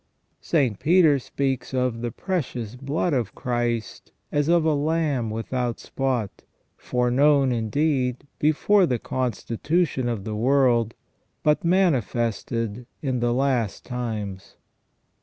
St. Peter speaks of "the precious blood of Christ AND THE REDEMPTION OF CHRIST 289 as of a lamb without spot, foreknown, indeed, before the consti tution of the world, but manifested in the last times